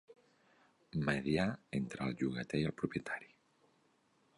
Mediar entre el llogater i el propietari.